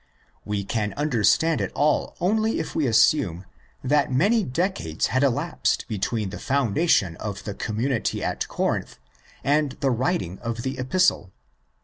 We can understand it all only if we assume that many decades had elapsed between the foundation of the community at Corinth and the writing of the Epistle.